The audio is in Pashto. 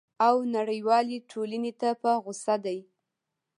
او نړیوالي ټولني ته په غوصه دی!